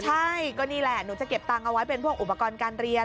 ใช่ก็นี่แหละหนูจะเก็บตังค์เอาไว้เป็นพวกอุปกรณ์การเรียน